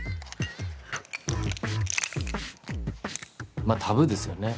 まあタブーですよね